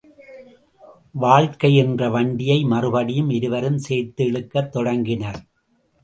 வாழ்க்கை என்ற வண்டியை மறுபடியும் இருவரும் சேர்த்து இழுக்கத் தொடங்கினர்.